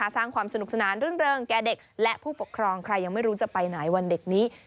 สร้างความสนุกสนานรื่นเริงแก่เด็กและผู้ปกครองใครยังไม่รู้จะไปไหนวันเด็กนี้